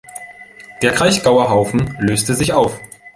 Der Kraichgauer Haufen löste sich auf.